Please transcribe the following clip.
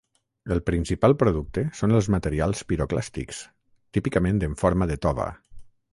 El principal producte són els materials piroclàstics, típicament en forma de tova.